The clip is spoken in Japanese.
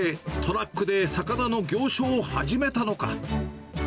なぜ、トラックで魚の行商を始めたのか。